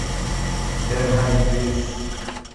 ডেনহাই, please.